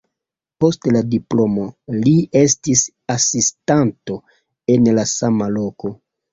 Post la diplomo li estis asistanto en la sama loko.